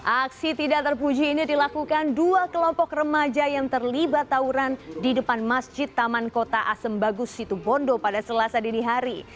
aksi tidak terpuji ini dilakukan dua kelompok remaja yang terlibat tawuran di depan masjid taman kota asem bagus situ bondo pada selasa dini hari